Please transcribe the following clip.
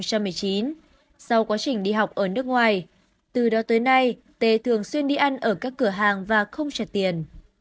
sau quá trình đi học ở nước ngoài từ đó tới nay tê thường xuyên đi ăn ở các cửa hàng và không trả tiền